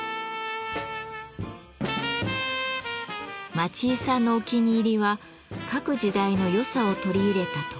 町井さんのお気に入りは各時代の良さを取り入れた特注品。